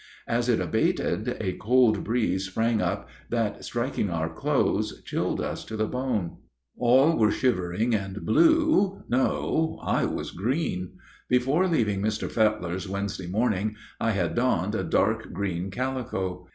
As it abated a cold breeze sprang up that, striking our clothes, chilled us to the bone. All were shivering and blue no, I was green. Before leaving Mr. Fetler's Wednesday morning I had donned a dark green calico.